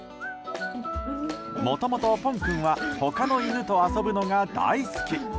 もともと、ぽん君は他の犬と遊ぶのが大好き！